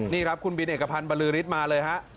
นี่ครับคุณบินเอกพันธ์บรือฤทธิ์มาเลยฮะ